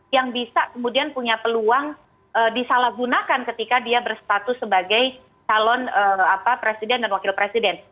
yang bisa kemudian punya peluang disalahgunakan ketika dia berstatus sebagai calon presiden dan wakil presiden